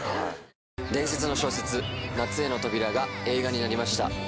伝説の小説『夏への扉』が映画になりました。